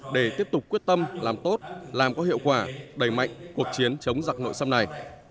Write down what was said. để tiếp tục quyết tâm làm tốt làm có hiệu quả đẩy mạnh cuộc chiến chống giặc nội xâm này